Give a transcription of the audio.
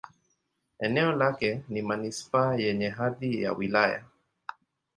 Eneo lake ni manisipaa yenye hadhi ya wilaya.